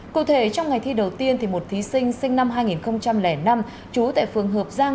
cụ thể trong ngày thi đầu tiên một thí sinh sinh năm hai nghìn năm trú tại phường hợp giang